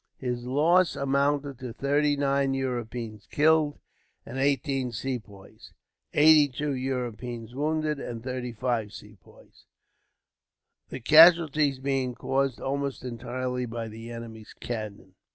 His loss amounted to thirty nine Europeans killed, and eighteen Sepoys; eighty two Europeans wounded, and thirty five Sepoys; the casualties being caused almost entirely by the enemy's cannon.